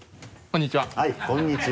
こんにちは。